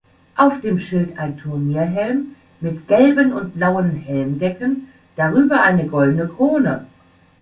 Auf dem Schild ein Turnierhelm mit gelben und blauen Helmdecken, darüber eine goldene Krone.